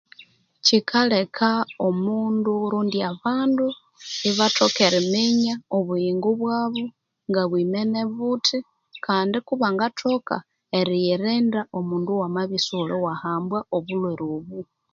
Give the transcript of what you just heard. Kikaleka omundu warondya abandu Ibathoka eriminya obuyingo bwabo ngabwimene buthi Kandi kubangathoka eriyirinda omundu wamaba sighuliwahamba obulhwere obu